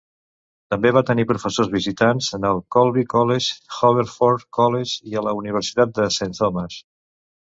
També va tenir professors visitants en el Colby College, Haverford College i la Universitat de St. Thomas.